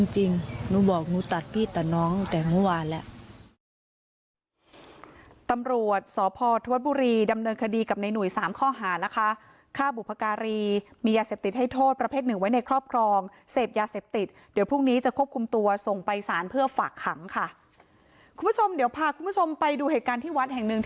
หนูบอกหนูตัดพี่ตัดน้องตั้งแต่เมื่อวานแล้ว